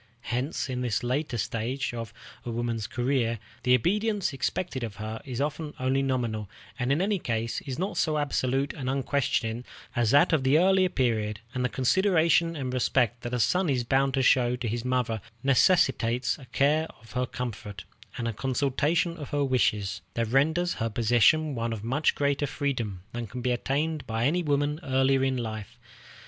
Hence, in this latter stage of a woman's career, the obedience expected of her is often only nominal, and in any case is not so absolute and unquestioning as that of the early period; and the consideration and respect that a son is bound to show to his mother necessitates a care of her comfort, and a consultation of her wishes, that renders her position one of much greater freedom than can be obtained by any woman earlier in life.